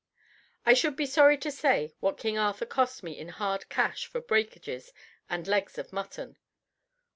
I should be sorry to say what King Arthur cost me in hard cash for breakages and legs of mutton.